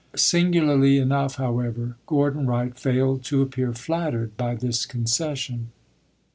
Singularly enough, however, Gordon Wright failed to appear flattered by this concession.